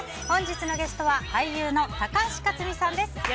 本日のゲストは俳優の高橋克実さんです。